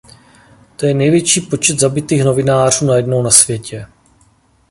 To je největší počet zabitých novinářů najednou na světě.